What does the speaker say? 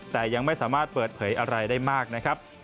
แต่ยังไม่สามารถเปิดเผยอะไรได้มากนะครับ